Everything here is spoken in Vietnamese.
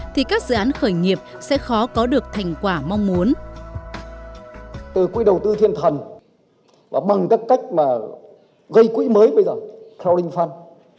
thì các dự án khởi nghiệp sẽ khó có được thành quả mong muốn